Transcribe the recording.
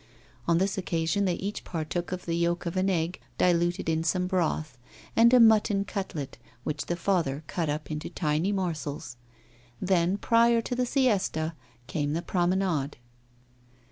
On this occasion they each partook of the yolk of an egg diluted in some broth, and a mutton cutlet, which the father cut up into tiny morsels. Then, prior to the siesta, came the promenade.